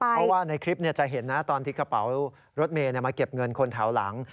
เพราะว่าในคลิปจะเห็นนะตอนที่กระเป๋ารถเมย์มาเก็บเงินคนแถวหลัง